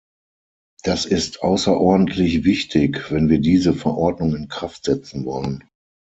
Das ist außerordentlich wichtig, wenn wir diese Verordnung in Kraft setzen wollen.